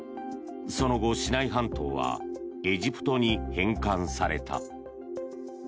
その後、シナイ半島はエジプトに返還された。